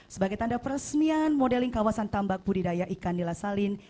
sebagai tanda peresmian modeling kawasan tambak budidaya ikan nila salin